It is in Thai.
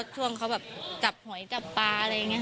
ช่วงเขาแบบจับหอยจับปลาอะไรอย่างนี้